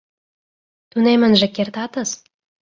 Тунемынже кертатыс.